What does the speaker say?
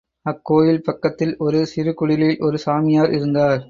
அக்கோயில் பக்கத்தில் ஒரு சிறு குடிலில் ஒரு சாமியார் இருந்தார்.